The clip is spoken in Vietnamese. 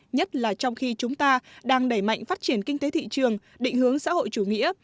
nhất là trong khi chúng ta đang đẩy mạnh phát triển kinh tế thị trường định hướng xã hội chủ nghĩa